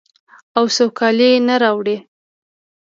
او سوکالي نه راوړي.